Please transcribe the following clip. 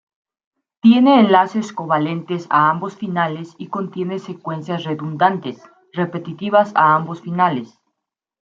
Tiene enlaces covalentes a ambos finales y contiene secuencias redundantes, repetitivas a ambos finales.